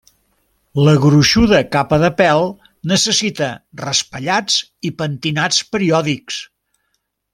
La gruixuda capa de pèl necessita raspallats i pentinats periòdics.